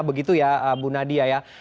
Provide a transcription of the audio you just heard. begitu ya bu nadia ya